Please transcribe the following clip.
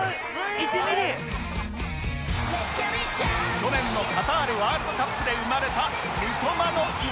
去年のカタールワールドカップで生まれた三笘の１ミリ